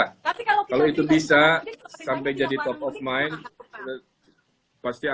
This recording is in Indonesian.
kan membantu kita gimana mbak tapi kalau pemerintah daerah nyuruh jangan mudik jangan mudik kita juga